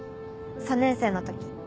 ３年生の時。